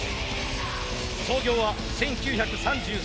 創業は１９３３年。